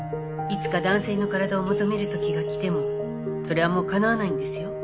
いつか男性の体を求めるときが来てもそれはもうかなわないんですよ。